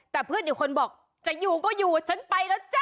แต่เพื่อนอีกคนบอกจะอยู่ก็อยู่ฉันไปแล้วจ้ะ